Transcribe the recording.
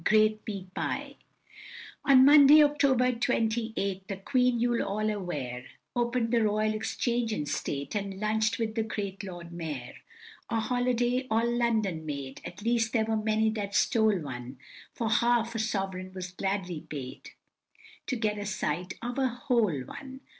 "Great Meat Pie." On Monday, October twenty eight, The Queen, you're all aware, Open'd the Royal Exchange in state, And lunch'd with the great Lord Mayor; A holiday all London made, At least there were many that stole one, While half a sovereign was gladly paid, To get a sight of a whole one!